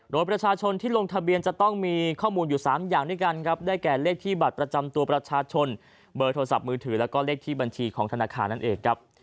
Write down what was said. โดยประชาชนที่ลงทะเบียนจะต้องมีข้อมูลอยู่๓อย่างด้วยกันครับ